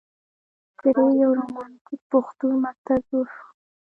ترې یو رومانتیک پښتون مکتب جوړ شو.